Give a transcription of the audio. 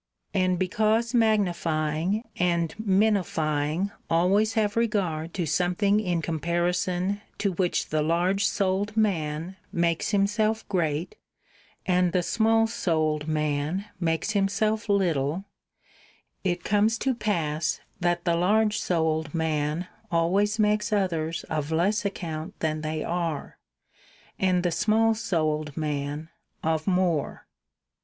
And because magnifying lanimity and minifying always have regard to something in comparison to which the large souled man makes himself great and the small souled man makes himself little, it comes to pass that the ;;. large souled man always makes others of less account than they are, and the small souled man of more.